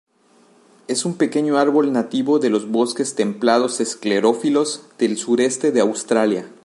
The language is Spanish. Es un pequeño árbol nativo de los bosques templados esclerófilos del sureste de Australia.